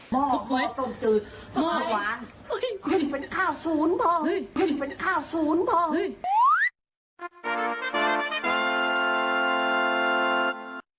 ม่อต้มจืด